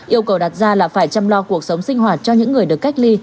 yêu cầu đặt ra là phải chăm lo cuộc sống sinh hoạt cho những người được cách ly